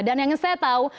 dan yang saya tahu